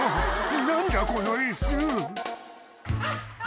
何じゃこのイス」